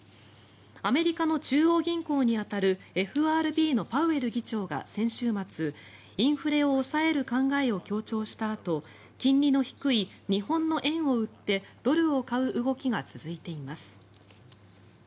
アメリカの中央銀行に当たるＦＲＢのパウエル議長が先週末、インフレを抑える考えを強調したあと金利の低い日本の円を売ってドルを買う動きが続いています。